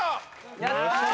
やったー！